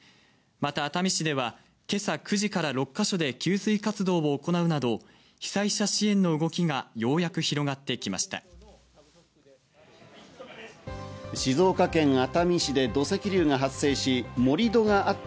また熱海市では今朝９時から６か所で給水活動を行うなど、被災者支援の動きがようやく広がってきました。